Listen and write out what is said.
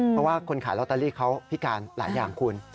เพราะว่าคนขายลอตเตอรี่เขาพิการหลายอย่างคุณ